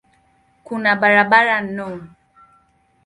Kuna barabara no.